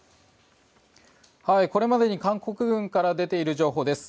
これまでに韓国軍から出ている情報です。